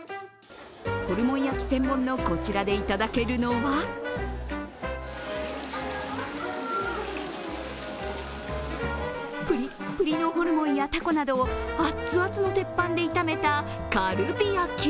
ホルモン焼き専門のこちらで頂けるのはぷりっぷりのホルモンやタコなどをあっつあつの鉄板で炒めたカルビ焼。